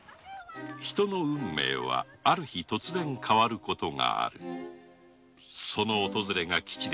人の運命はある日突然変わることがあるその訪れが吉か